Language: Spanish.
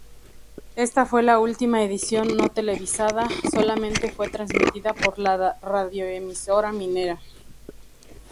Esta fue la última edición no televisada, solamente fue transmitida por la radioemisora Minería.